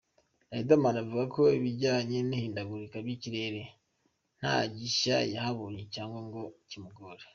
Riderman avuga ko ibijyanye n’ihindagurika by’ikirere ntagishya yahabonye cyangwa ngo kimugore.